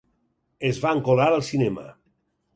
Es van colar al cinema.